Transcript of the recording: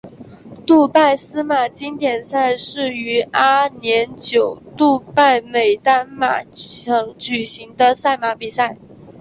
杜拜司马经典赛是于阿联酋杜拜美丹马场举行的赛马比赛。